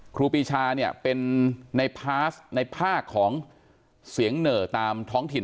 ครูปีชาเนี่ยเป็นในพาสในภาคของเสียงเหน่อตามท้องถิ่น